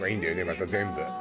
また全部。